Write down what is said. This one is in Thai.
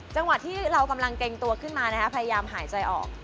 จังหวะที่เรากำลังเกรงตัวขึ้นมาพยายามหายใจออก